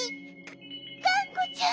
がんこちゃん。